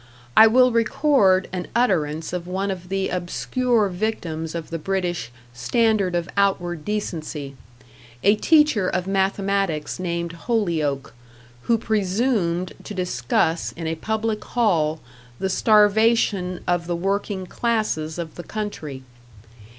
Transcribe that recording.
I will record an utterance of one of the obscure victims of the British "standard of outward decency", a teacher of mathematics named Holyoake, who presumed to discuss in a public hall the starvation of the working classes of the country.